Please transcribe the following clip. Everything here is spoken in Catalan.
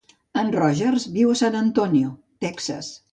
En Rogers viu a San Antonio, Texas.